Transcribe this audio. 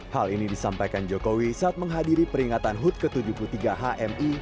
hal ini disampaikan jokowi saat menghadiri peringatan hud ke tujuh puluh tiga hmi